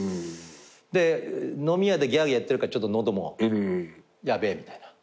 で飲み屋でギャーギャーやってるからちょっと喉もヤベえみたいな。